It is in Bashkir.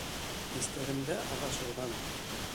Хистәремдә аҙашыуҙан.